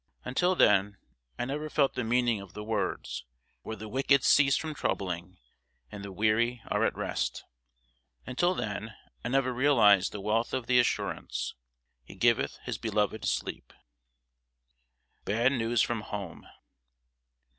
Until then I never felt the meaning of the words, "where the wicked cease from troubling and the weary are at rest." Until then I never realized the wealth of the assurance, "He giveth his beloved sleep." [Sidenote: BAD NEWS FROM HOME.